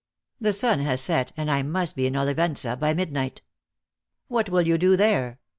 The sun has set, and I must be in Olivenca by mid night." " What will you do there?"